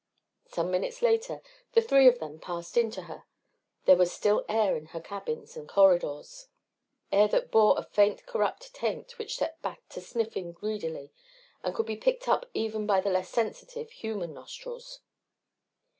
Some minutes later the three of them passed into her. There was still air in her cabins and corridors. Air that bore a faint corrupt taint which set Bat to sniffing greedily and could be picked up even by the less sensitive human nostrils.